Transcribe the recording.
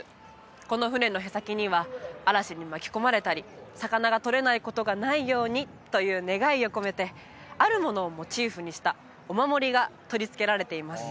この船の舳先には嵐に巻き込まれたり魚がとれないことがないようにという願いを込めてあるものをモチーフにしたお守りが取りつけられています